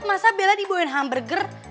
masa bella dibawain hamburger